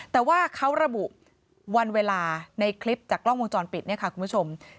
แต่ว่าเขาระบุวันเวลาในคลิปจากกล้องวงจรปิดเนี่ยค่ะคุณผู้ชม